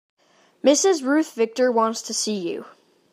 Mrs. Ruth Victor wants to see you.